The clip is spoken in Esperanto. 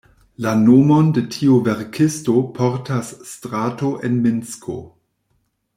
La nomon de tiu verkisto portas strato en Minsko.